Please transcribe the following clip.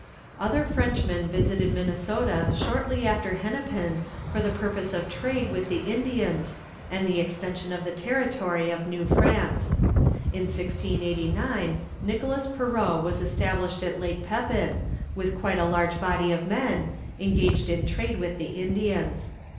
Other Frenchmen visited Minnesota shortly after Hennepin for the purpose of trade with the Indians and the extension of the territory of New France. In 1689 Nicholas Perot was established at Lake Pepin, with quite a large body of men, engaged in trade with the Indians.